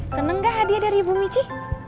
seneng gak hadiah dari ibu michi